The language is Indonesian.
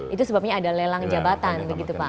itu sebabnya ada lelang jabatan begitu pak